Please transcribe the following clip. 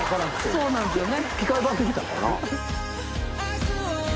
そうなんですよね。））